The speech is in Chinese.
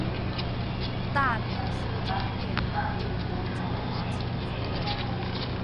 大明思宗烈皇帝独宠华清夫人。